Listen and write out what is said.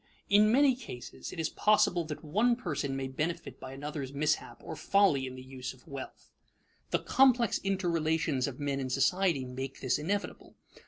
In many cases it is possible that one person may benefit by another's mishap or folly in the use of wealth. The complex interrelations of men in society make this inevitable.